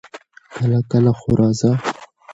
کله کله خو راځه!